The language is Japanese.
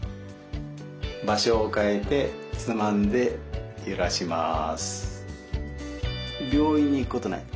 場所を変えてつまんでゆらします。